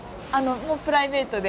もうプライベートで。